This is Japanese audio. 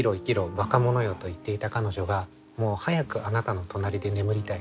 ばかものよと言っていた彼女がもう早くあなたの隣で眠りたい。